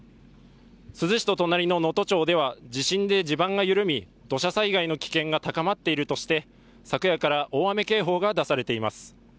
珠洲市と隣の能登町では地震で地盤が緩み土砂災害の危険が高まっているとして昨夜から大雨警報が出されています。